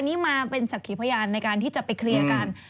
อันนี้มาเป็นสักขีพยานในการที่จะไปเคลียร์กัน